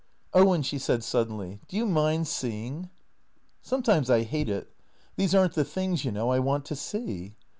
" Owen," she said suddenly, " do you mind seeing ?"" Sometimes I hate it. These are n't the things, you know, I want to see."